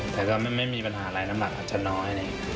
แต่ก็ไม่มีปัญหาอะไรน้ำหนักอาจจะน้อย